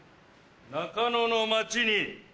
中野の街に。